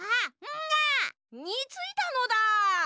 「ん」が！についたのだ。